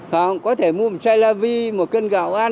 họ có thể mua một chai la vi một cân gạo ăn